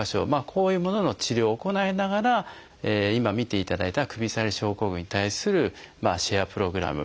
こういうものの治療を行いながら今見ていただいた首下がり症候群に対するシェアプログラム